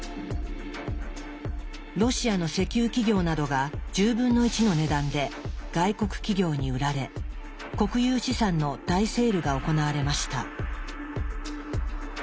ロシアの石油企業などが１０分の１の値段で外国企業に売られ国有資産の大セールが行われました。